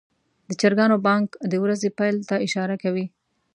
د چرګانو بانګ د ورځې پیل ته اشاره کوي.